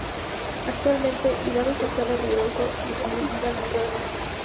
Actualmente, y dado su estado ruinoso, tiene prohibida la entrada al mismo.